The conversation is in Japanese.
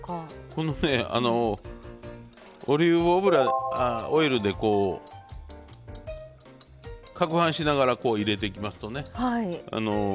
このねオリーブオイルでかくはんしながら入れていきますとね